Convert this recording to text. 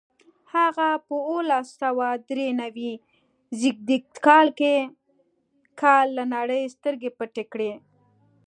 هغه په اوولس سوه درې نوي زېږدیز کال له نړۍ سترګې پټې کړې.